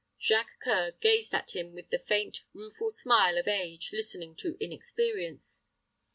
Jacques C[oe]ur gazed at him with the faint, rueful smile of age listening to inexperience.